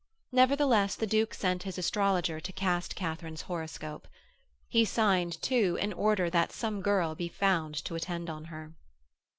Nevertheless, the Duke sent his astrologer to cast Katharine's horoscope. He signed, too, an order that some girl be found to attend on her.